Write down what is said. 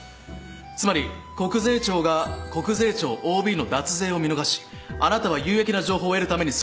つまり国税庁が国税庁ＯＢの脱税を見逃しあなたは有益な情報を得るためにそれを。